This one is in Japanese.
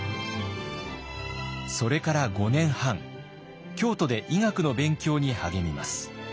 それから５年半京都で医学の勉強に励みます。